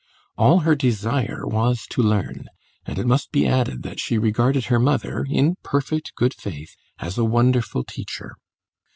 All her desire was to learn, and it must be added that she regarded her mother, in perfect good faith, as a wonderful teacher.